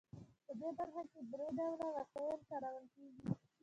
په دې برخه کې درې ډوله وسایل کارول کیږي.